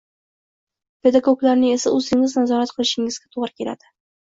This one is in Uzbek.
pedagoglarni esa o‘zingiz nazorat qilishingizga to‘g‘ri keladi.